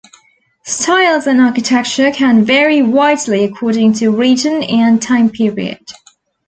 Styles and architecture can vary widely according to region and time period.